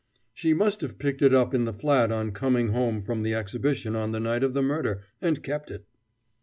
"She must have picked it up in the flat on coming home from the Exhibition on the night of the murder, and kept it."